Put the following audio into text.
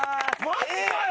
マジかよ！